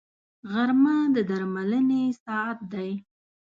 غرمه د درملنې ساعت دی